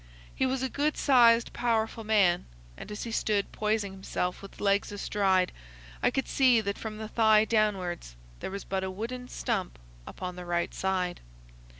He was a good sized, powerful man, and as he stood poising himself with legs astride I could see that from the thigh downwards there was but a wooden stump upon the right side.